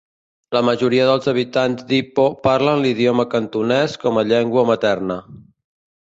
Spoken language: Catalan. La majoria dels habitants d'Ipoh parlen l'idioma cantonès com a llengua materna.